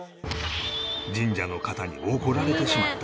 神社の方に怒られてしまった